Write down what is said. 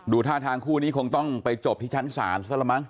ท่าทางคู่นี้คงต้องไปจบที่ชั้นศาลซะละมั้